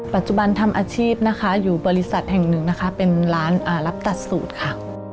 ปัจจุบันทำอาชีพนะคะอยู่บริษัทแห่งหนึ่งนะคะเป็นร้านรับตัดสูตรค่ะ